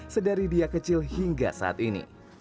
sedari dia kecil hingga saat ini